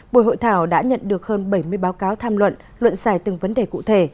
buổi hội thảo đã nhận được hơn bảy mươi báo cáo tham luận luận giải từng vấn đề cụ thể